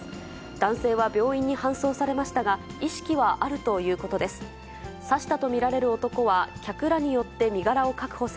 男性は病院に搬送されましたが、意識はあるということです。